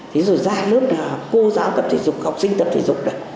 thế rồi ra lớp là cô giáo tập thể dục học sinh tập thể dục đấy